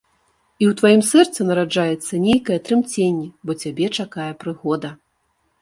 І ў тваім сэрцы нараджаецца нейкае трымценне, бо цябе чакае прыгода.